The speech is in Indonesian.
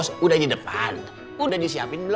silahkan terima kasih pak